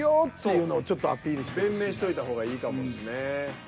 弁明しといた方がいいかもっすね。